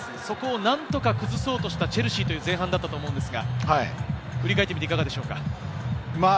そこをなんとか崩そうとしたチェルシーという前半だったと思うんですが、振り返っていかがでしょう？